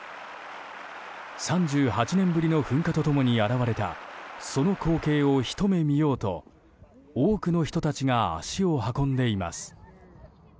３８年ぶりの噴火と共に現れたその光景をひと目見ようと多くの人たちが足を運んでいます。